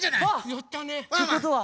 やったね！ってことは。